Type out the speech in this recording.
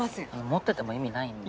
持ってても意味ないんで。